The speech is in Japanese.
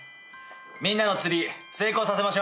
みんなのツリー成功させましょう。